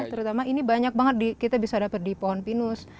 terutama ini banyak banget kita bisa dapat di pohon pinus